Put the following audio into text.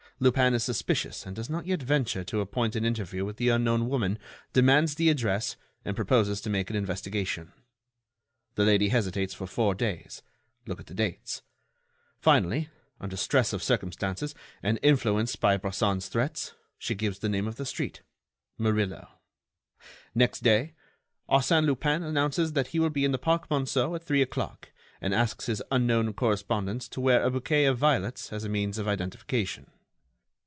Lupin is suspicious and does not yet venture to appoint an interview with the unknown woman, demands the address and proposes to make an investigation. The lady hesitates for four days—look at the dates—finally, under stress of circumstances and influenced by Bresson's threats, she gives the name of the street—Murillo. Next day, Arsène Lupin announces that he will be in the Park Monceau at three o'clock, and asks his unknown correspondent to wear a bouquet of violets as a means of identification.